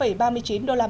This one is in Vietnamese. đây là các mức thuế rất cao